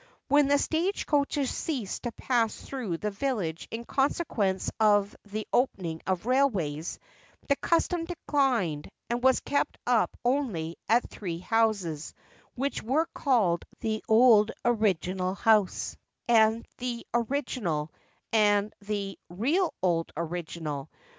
When the stage coaches ceased to pass through the village in consequence of the opening of railways, the custom declined, and was kept up only at three houses, which were called the 'original house,' the 'old original,' and the 'real old original.